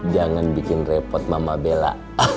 jangan bikin repot mama bella